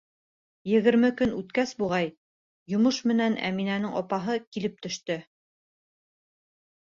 Егерме көн үткәс, буғай, йомош менән Әминәнең апаһы килеп төштө.